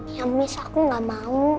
iya mis aku gak mau